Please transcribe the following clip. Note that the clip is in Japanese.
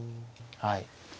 はい。